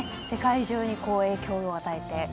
世界中に影響を与えて。